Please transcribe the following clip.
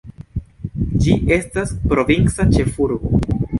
Ĝi estas provinca ĉefurbo.